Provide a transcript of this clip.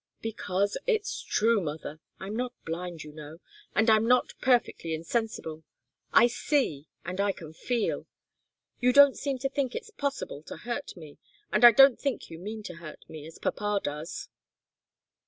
"Because it's true, mother. I'm not blind, you know, and I'm not perfectly insensible. I see, and I can feel. You don't seem to think it's possible to hurt me and I don't think you mean to hurt me, as papa does."